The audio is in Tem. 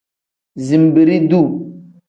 Zinbiri-duu.